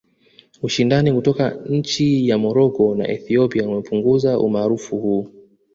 Ushindani kutoka nchi ya Moroko na Ethiopia umepunguza umaarufu huu